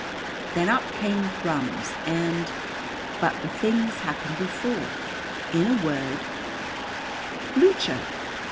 Then up came Thrums, and But the thing has happened before; in a word, Blücher.